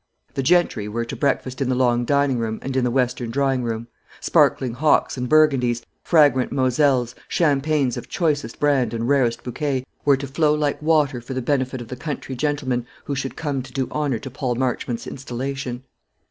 The gentry were to breakfast in the long dining room and in the western drawing room. Sparkling hocks and Burgundies, fragrant Moselles, champagnes of choicest brand and rarest bouquet, were to flow like water for the benefit of the country gentlemen who should come to do honour to Paul Marchmont's installation.